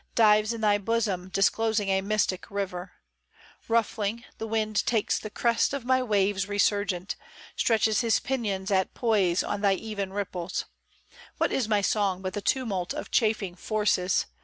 Dives in thy bosom disclosing a mystic river : Ruffling, the wind takes the crest of my waves resurgent. Stretches his pinions at poise on thy even ripples : What is my song but the tumult of chafing forces.